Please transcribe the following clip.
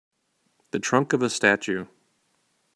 The trunk of a statue